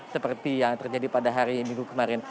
seperti yang terjadi pada hari minggu kemarin